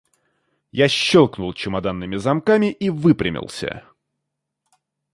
Я щелкнул чемоданными замками и выпрямился.